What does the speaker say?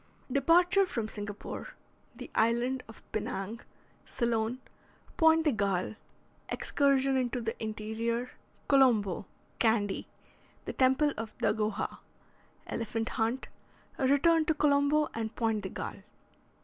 DEPARTURE FROM SINGAPORE THE ISLAND OF PINANG CEYLON POINTE DE GALLE EXCURSION INTO THE INTERIOR COLOMBO CANDY THE TEMPLE OF DAGOHA ELEPHANT HUNT RETURN TO COLOMBO AND POINTE DE GALLE.